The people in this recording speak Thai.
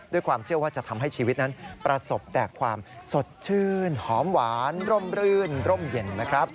ความเชื่อว่าจะทำให้ชีวิตนั้นประสบแต่ความสดชื่นหอมหวานร่มรื่นร่มเย็นนะครับ